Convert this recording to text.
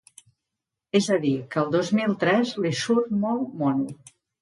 És a dir, que el dos mil tres li surt molt mono.